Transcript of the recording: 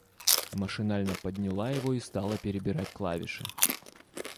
Машинально подняла его и стала перебирать клавиши.